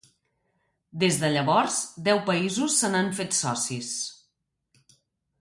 Des de llavors, deu països s'han fet socis.